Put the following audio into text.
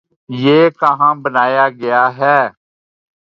یہ کہاں بنایا گیا ہے؟